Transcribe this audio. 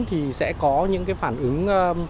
thì sẽ có những phản ứng